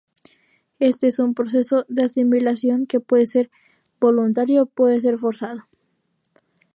Este es un proceso de asimilación que puede ser voluntario o puede ser forzado.